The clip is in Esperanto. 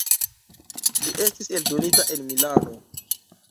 Ĝi estis eldonita en Milano.